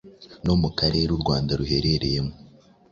no mu karere u Rwanda ruherereyemo,